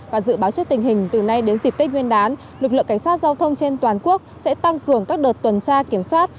và dự báo trước tình hình từ nay đến dịp tết nguyên đán lực lượng cảnh sát giao thông trên toàn quốc sẽ tăng cường các đợt tuần tra kiểm soát